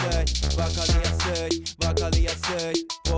「わかりやすいわかりやすい」